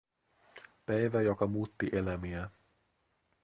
Päivä, joka muutti elämiä